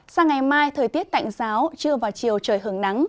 sang ngày mai thời tiết tạnh giáo trưa và chiều trời hưởng nắng